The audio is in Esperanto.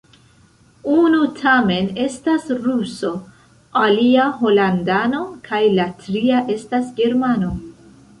Unu tamen estas ruso, alia holandano kaj la tria estas germano.